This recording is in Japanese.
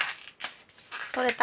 取れた？